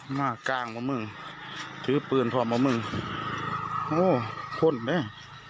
มากกางมามึงถือปืนพร้อมมามึงโอ้พ่นแม่